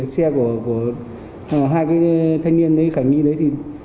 xe của hai cái thanh niên khả nghi đấy